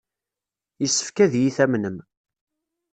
Yessefk ad iyi-tamnem.